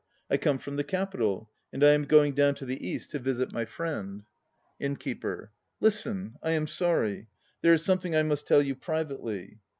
I come from the Capital, and I am going down to the East to visit my friend. INNKEEPER. Listen. I am sorry. There is something I must tell you privately.